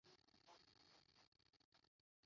No muri bari magana arindwi na makumyabiri n umwe